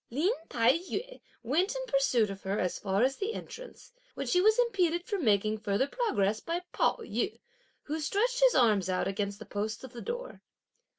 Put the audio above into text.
Lin Tai yü went in pursuit of her as far as the entrance, when she was impeded from making further progress by Pao yü, who stretched his arms out against the posts of the door.